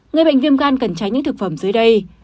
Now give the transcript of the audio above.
người bệnh viêm gan cần tránh những thực phẩm dưới đây